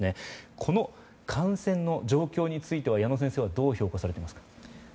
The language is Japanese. この感染の状況については矢野先生はどう評価されていますか？